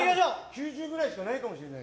９０ぐらいしかないかもしれない。